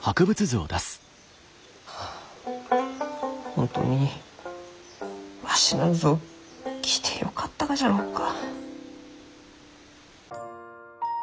本当にわしなんぞ来てよかったがじゃろうか。